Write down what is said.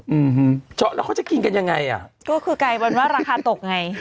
อืมเจาะแล้วเขาจะกินกันยังไงอ่ะก็คือกลายเป็นว่าราคาตกไง